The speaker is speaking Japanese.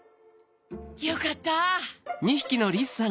よかった！